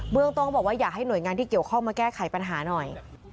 เรื่องต้นบอกว่าอยากให้หน่วยงานที่เกี่ยวข้องมาแก้ไขปัญหาหน่อย